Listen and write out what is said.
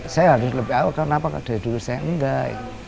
saya harus lebih awal kenapa dari dulu saya enggak